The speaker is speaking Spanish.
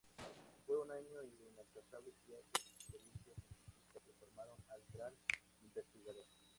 Fue un año de incansables viajes y experiencias científicas que formaron al gran investigador.